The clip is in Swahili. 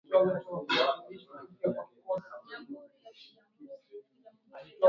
Kina cha mto hutofautiana katika maeneo mengine